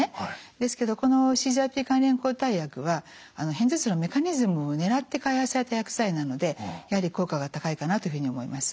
ですけどこのＣＧＲＰ関連抗体薬は片頭痛のメカニズムを狙って開発された薬剤なのでやはり効果が高いかなというふうに思います。